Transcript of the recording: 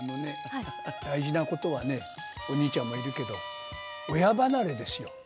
大事なことはね、お兄ちゃんもいるけど、親離れですよ。